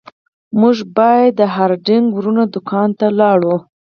موږ بیا د هارډینګ ورونو دکان ته لاړو.